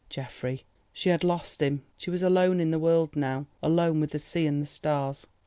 Geoffrey! she had lost him; she was alone in the world now—alone with the sea and the stars.